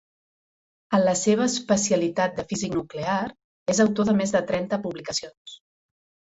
En la seva especialitat de físic nuclear, és autor de més de trenta publicacions.